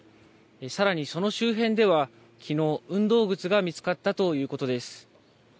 さらにその周辺では、きのう、運動靴が見つかったということです。